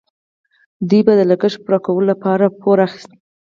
دوی به د لګښت پوره کولو لپاره پور اخیست.